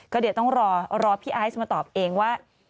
ก็เดี๋ยวต้องรอพี่ไอซ์มาตอบเองว่า